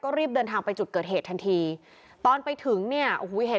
ก็รีบเดินทางไปจุดเกิดเหตุทันทีตอนไปถึงเนี่ยอ่ะหูเห็นเลยว่า